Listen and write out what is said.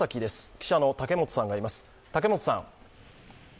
記者の竹本さんがいます。